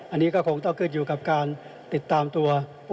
อันนี้ก็คงต้องขึ้นอยู่กับการติดตามตัว